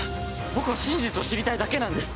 僕は真実を知りたいだけなんです。